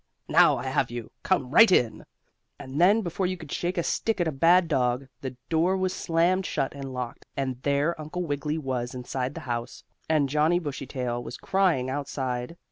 Now I have you! Come right in!" And then, before you could shake a stick at a bad dog, the door was slammed shut and locked, and there Uncle Wiggily was inside the house, and Johnnie Bushytail was crying outside.